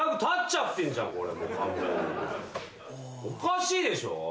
おかしいでしょ。